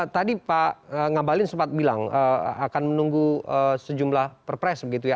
tadi pak ngabalin sempat bilang akan menunggu sejumlah perpres begitu ya